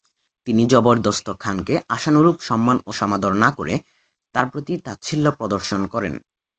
তিনি জবরদস্ত খানকে আশানুরূপ সম্মান ও সমাদার না করে তার প্রতি তাচ্ছিল্য প্রদর্শন করেন।